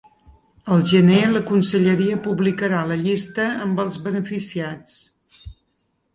El gener la conselleria publicarà la llista amb els beneficiats.